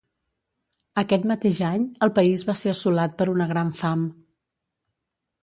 Aquest mateix any el país va ser assolat per una gran fam.